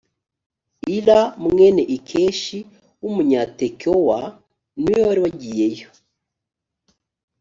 ira mwene ikeshi w’umunyatekowa ni we wari wagiyeyo